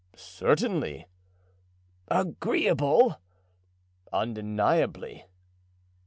"Certainly." "Agreeable?" "Undeniably."